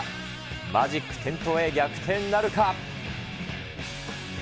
マジック点灯へ、逆転なるか？